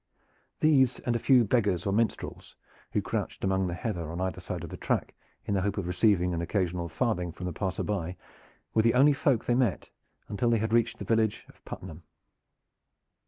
These and a few beggars or minstrels, who crouched among the heather on either side of the track in the hope of receiving an occasional farthing from the passer by, were the only folk they met until they had reached the village of Puttenham.